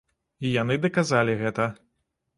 І яны даказалі гэта.